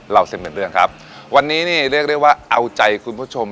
เส้นเป็นเรื่องครับวันนี้นี่เรียกได้ว่าเอาใจคุณผู้ชม